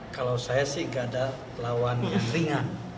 kalau saya sih gak ada lawan yang ringan